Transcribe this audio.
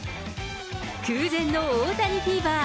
空前の大谷フィーバー。